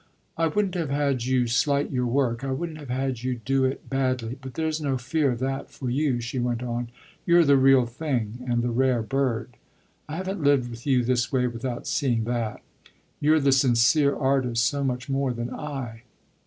"I wouldn't have had you slight your work I wouldn't have had you do it badly. But there's no fear of that for you," she went on. "You're the real thing and the rare bird. I haven't lived with you this way without seeing that: you're the sincere artist so much more than I.